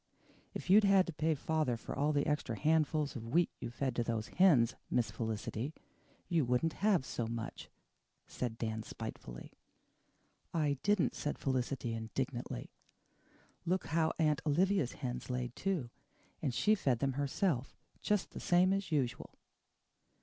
"If you'd had to pay father for all the extra handfuls of wheat you've fed to those hens, Miss Felicity, you wouldn't have so much," said Dan spitefully. "I didn't," said Felicity indignantly. "Look how Aunt Olivia's hens laid, too, and she fed them herself just the same as usual."